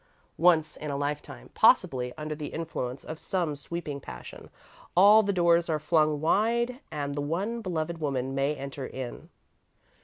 Once in a lifetime, possibly, under the influence of some sweeping passion, all the doors are flung wide and the one beloved woman may enter in.